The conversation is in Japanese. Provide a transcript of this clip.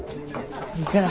いいから。